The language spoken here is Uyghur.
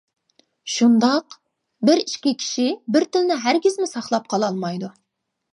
شۇنداق، بىر-ئىككى كىشى بىر تىلنى ھەرگىزمۇ ساقلاپ قالالمايدۇ.